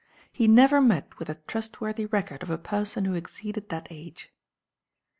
He never met with a trustworthy record of a person who exceeded that age.